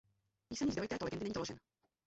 Písemný zdroj této legendy není doložen.